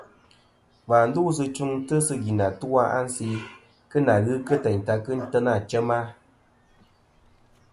Wà ti ndusɨ tfɨŋsɨ sɨ gvi nɨ atu-a a nse kɨ ghɨ kɨ teyn ta kɨ n-tena chem-a.